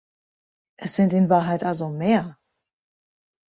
Es sind in Wahrheit also mehr.